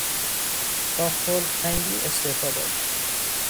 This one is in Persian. با خلقتنگی استعفا داد.